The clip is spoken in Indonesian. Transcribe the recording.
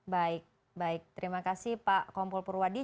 baik terima kasih pak kompul purwadi